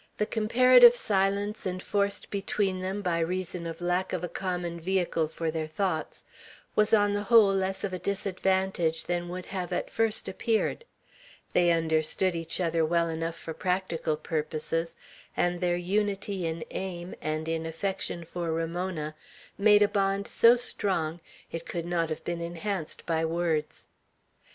The comparative silence enforced between them by reason of lack of a common vehicle for their thoughts was on the whole less of a disadvantage than would have at first appeared. They understood each other well enough for practical purposes, and their unity in aim, and in affection for Ramona, made a bond so strong, it could not have been enhanced by words.